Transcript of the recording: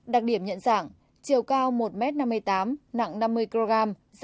đặc điểm nhận dạng chiều cao một m năm mươi tám nặng năm mươi kg